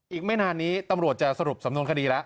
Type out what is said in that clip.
อีกไม่นานนี้ตำรวจจะสรุปสำนวนคดีแล้ว